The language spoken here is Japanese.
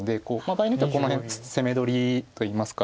場合によってはこの辺攻め取りといいますか。